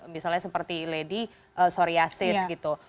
misalnya seperti lady soriasis gitu